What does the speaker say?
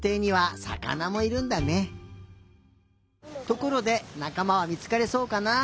ところでなかまはみつかりそうかな？